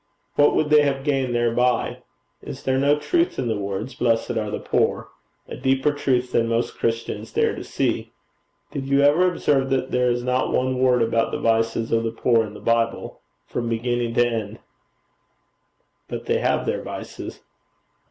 What would be gained thereby? Is there no truth in the words "Blessed are the poor"? A deeper truth than most Christians dare to see. Did you ever observe that there is not one word about the vices of the poor in the Bible from beginning to end?' 'But they have their vices.'